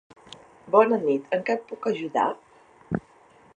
Bona nit. En què et puc ajudar?